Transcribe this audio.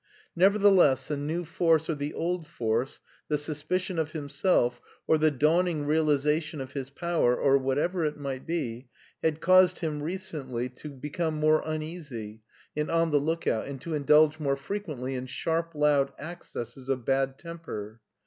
Never theless the new force or the old force, the suspicion of himself, or the dawning realization of his power, or whatever it might be, had caused him recently to become uneasy and on the look out and to indulge more frequently in sharp, loud accesses of bad temper.